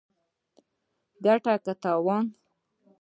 ګټه که تاوان